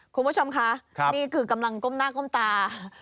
คุณผู้ชมคะนี่คือกำลังก้มหน้าก้มตา